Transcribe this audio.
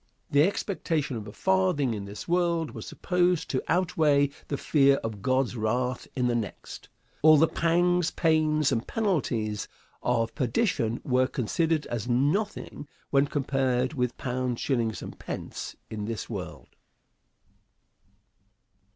The expectation of a farthing in this world was supposed to outweigh the fear of God's wrath in the next. All the pangs, pains, and penalties of perdition were considered as nothing when compared with pounds, shillings and pence in this world.